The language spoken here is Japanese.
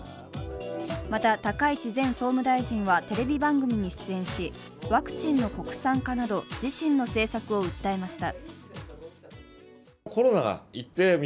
また、高市前総務大臣はテレビ番組に出演しワクチンの国産化など自身の政策を訴えました。